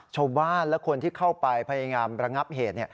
ชาวบ้านและคนที่เข้าไปพยายามระงับเหตุ